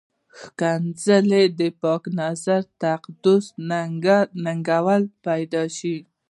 ښکنځلې د پاکې نظریې تقدس ننګولی شي.